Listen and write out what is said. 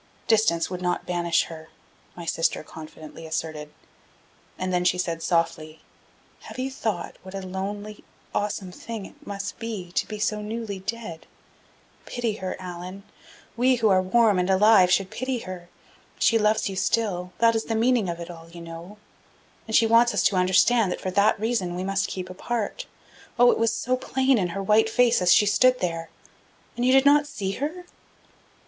"Distance would not banish her," my sister confidently asserted. And then she said, softly: "Have you thought what a lonely, awesome thing it must be to be so newly dead? Pity her, Allan. We who are warm and alive should pity her. She loves you still, that is the meaning of it all, you know and she wants us to understand that for that reason we must keep apart. Oh, it was so plain in her white face as she stood there. And you did not see her?"